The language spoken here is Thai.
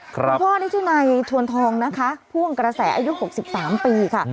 พ่อนี่ชื่อนายชวนทองนะคะพ่วงกระแสอายุ๖๓ปีค่ะ